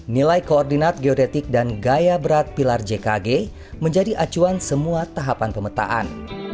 nilai koordinat geodetik dan gaya berat pilar jkg menjadi acuan semua tahapan pemetaan